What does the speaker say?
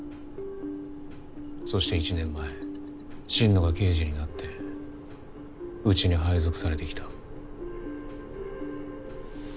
そして１年前心野が刑事になってウチに配属されてきた。